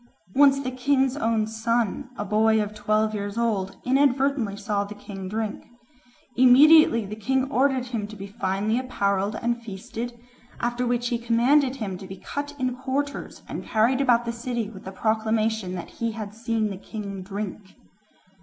Once the king's own son, a boy of twelve years old, inadvertently saw the king drink. Immediately the king ordered him to be finely apparelled and feasted, after which he commanded him to be cut in quarters, and carried about the city with a proclamation that he had seen the king drink.